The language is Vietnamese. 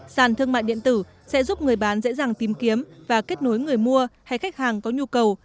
sàn thương mại điện tử sẽ giúp người bán dễ dàng tìm kiếm và kết nối người mua hay khách hàng có nhu cầu